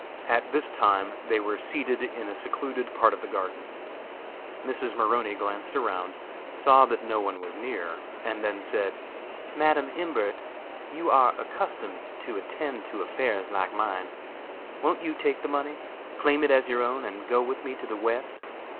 At this time they were seated in a secluded part of the garden. Mrs. Maroney glanced around, saw that no one was near, and then said: "Madam Imbert, you are accustomed to attend to affairs like mine; won't you take the money, claim it as your own, and go with me to the West?